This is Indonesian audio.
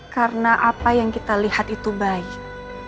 karena apa yang kita lihat itu baik